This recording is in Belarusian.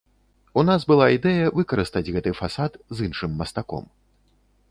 У нас была ідэя выкарыстаць гэты фасад з іншым мастаком.